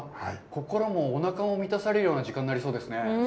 心もおなかも満たされるような時間になりそうですね。